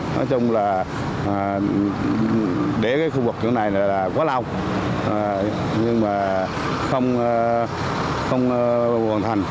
nói chung là để cái khu vực kiểu này là quá lâu nhưng mà không hoàn thành